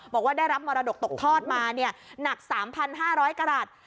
บอกว่าได้รับมรดกตกทอดมาหนัก๓๕๐๐กรัฐ